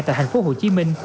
tại thành phố hồ chí minh